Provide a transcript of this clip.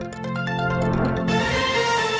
มาวิดีโดยโทษวิทย์